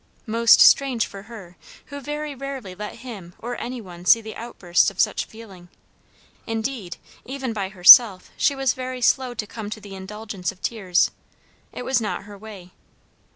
Most strange for her, who very rarely let him or anyone see the outbursts of such feeling; indeed, even by herself she was very slow to come to the indulgence of tears. It was not her way.